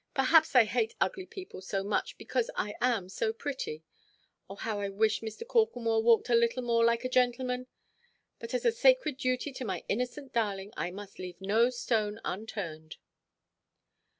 Perhaps I hate ugly people so much, because I am so pretty. Oh, how I wish Mr. Corklemore walked a little more like a gentleman. But as a sacred duty to my innocent darling, I must leave no stone unturned."